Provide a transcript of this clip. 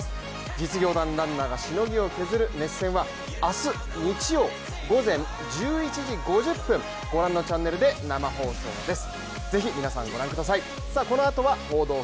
実業団ランナーがしのぎを削る熱戦は明日日曜、午前１１時５０分ご覧のチャンネルで生放送です。